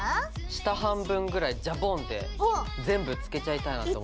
下半分ぐらいジャボンって全部つけちゃいたいなと。